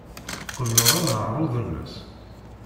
Tqebleḍ aneɛruḍ-nnes?